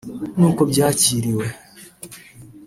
n’uko byakiriwe